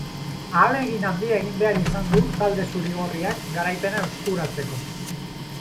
Ahalegin handia egin behar izan du talde zuri-gorriak garaipena eskuratzeko.